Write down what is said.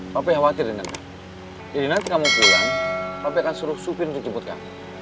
papi khawatir deh nanti jadi nanti kamu pulang papi akan suruh supir untuk jemput kamu